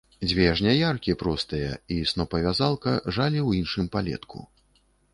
Дзве жняяркі, простыя, і снопавязалка жалі ў іншым палетку.